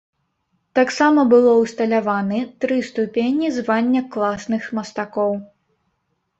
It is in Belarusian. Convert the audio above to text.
Таксама было ўсталяваны тры ступені звання класных мастакоў.